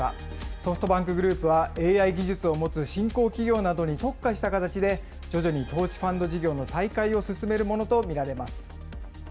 ソフトバンクグループはＡＩ技術を持つ新興企業などに特化した形で、徐々に投資ファンド事業の再開を進めるものと見られます。